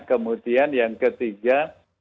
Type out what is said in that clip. kemudian yang ketiga